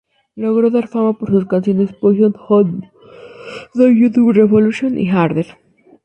Logró dar fama por sus canciones "Poison", "How do you do", "Revolution" y "Harder".